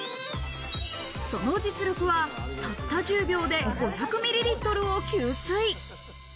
その実力はたった１０秒で５００ｍｌを吸水。